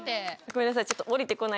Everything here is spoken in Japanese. ごめんなさい。